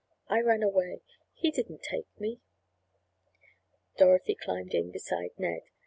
I ran away. He didn't take me." Dorothy climbed in beside Ned.